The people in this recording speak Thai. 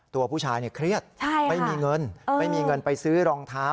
ตัวผู้ชายเนี้ยเครียดใช่ค่ะไม่มีเงินเออไม่มีเงินไปซื้อรองเท้า